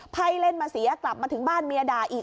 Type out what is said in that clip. ไพ่เล่นมาเสียกลับมาถึงบ้านเมียด่าอีก